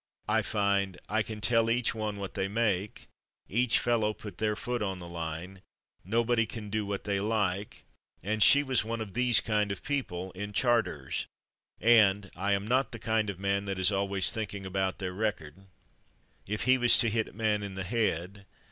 I find "I can tell each one what /they/ make," "each fellow put /their/ foot on the line," "nobody can do what /they/ like" and "she was one of /these/ kind of people" in Charters, and "I am not the kind of man that is always thinking about /their/ record," "if he was to hit a man in the head